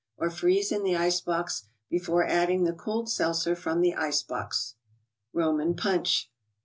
Or freeze in the ice box be¬ fore adding the cooled seltzer from the ice box. aHomatt puncl).